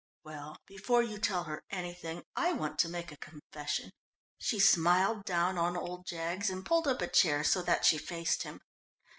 "Well, before you tell her anything, I want to make a confession," she smiled down on old Jaggs, and pulled up a chair so that she faced him.